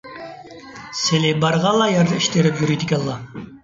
سىلى بارغانلا يەردە ئىش تېرىپ يۈرىدىكەنلا.